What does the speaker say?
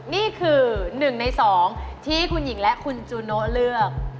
นี่คือ๑ใน๒ที่คุณหญิงและคุณจูโนเลือก